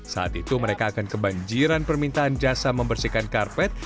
saat itu mereka akan kebanjiran permintaan jasa membersihkan karpet